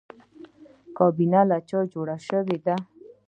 کابینه له چا جوړه شوې ده؟